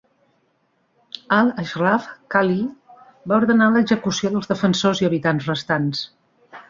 Al-Ashraf Khalil va ordenar l'execució dels defensors i habitants restants.